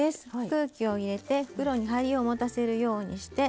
空気を入れて袋にはりをもたせるようにして。